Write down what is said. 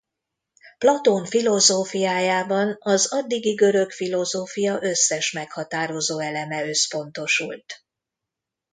Platón filozófiájában az addigi görög filozófia összes meghatározó eleme összpontosult.